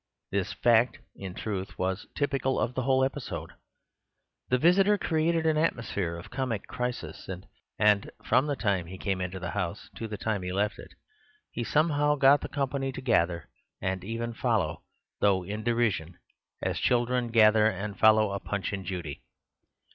This fact, in truth, was typical of the whole episode. The visitor created an atmosphere of comic crisis; and from the time he came into the house to the time he left it, he somehow got the company to gather and even follow (though in derision) as children gather and follow a Punch and Judy.